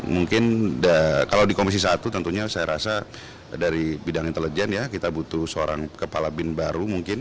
mungkin kalau di komisi satu tentunya saya rasa dari bidang intelijen ya kita butuh seorang kepala bin baru mungkin